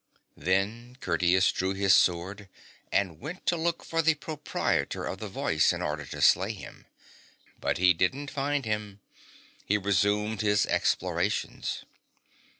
Then Curtius drew his sword, and went to look for the proprietor of the voice in order to slay him. But he didn't find him. He resumed his explorations.